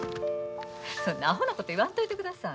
そんなアホなこと言わんといてください。